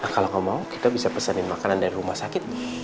kalau kamu mau kita bisa pesan makanan dari rumah sakit